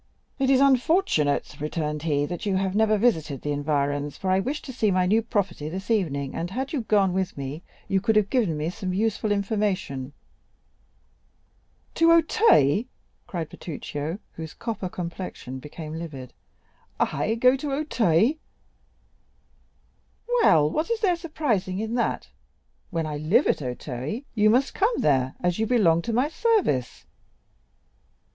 "It is unfortunate," returned he, "that you have never visited the environs, for I wish to see my new property this evening, and had you gone with me, you could have given me some useful information." "To Auteuil!" cried Bertuccio, whose copper complexion became livid—"I go to Auteuil?" "Well, what is there surprising in that? When I live at Auteuil, you must come there, as you belong to my service."